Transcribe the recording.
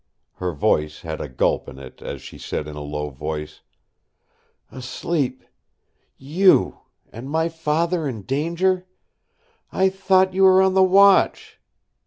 Her voice had a gulp in it as she said in a low voice: "Asleep! You! and my Father in danger! I thought you were on the watch!"